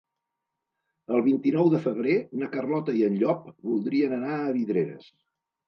El vint-i-nou de febrer na Carlota i en Llop voldrien anar a Vidreres.